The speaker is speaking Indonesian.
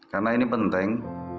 karena ini penting